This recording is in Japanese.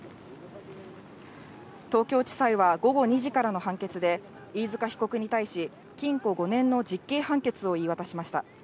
東京地裁は午後２時からの判決で、飯塚被告に対し、禁錮５年の実刑判決を言い渡しました。